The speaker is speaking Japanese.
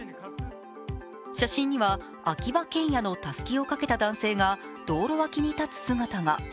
写真には「秋葉けんや」のたすきをかけた男性が道路脇に立つ姿が。